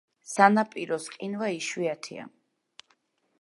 სანაპიროს ყინვა იშვიათია.